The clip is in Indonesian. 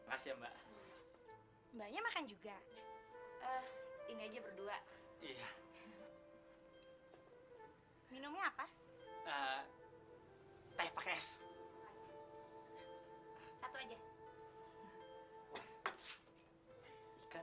hai masya allah banyak makan juga ini aja berdua iya minumnya apa tepuk es satu aja